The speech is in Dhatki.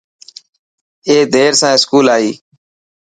اي دير سان اسڪول آئي.